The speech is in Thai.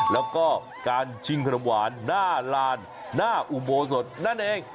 แล้วก็การชิงขนมหวานหน้าลานหน้าอุโบสถนั่นเอง